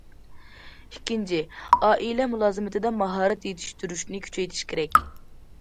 ئىككىنچى، ئائىلە مۇلازىمىتىدە ماھارەت يېتىشتۈرۈشنى كۈچەيتىش كېرەك.